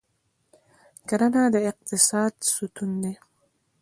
کرهڼه د اقتصاد ستون دی